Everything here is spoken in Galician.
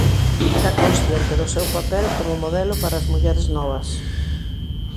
Era consciente do seu papel como modelo para as mulleres novas.